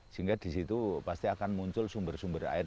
sehingga di situ pasti akan muncul sumber sumber air